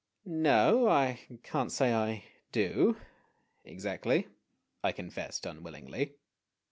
5 "No, I can't say I do exactly," I confessed unwillingly.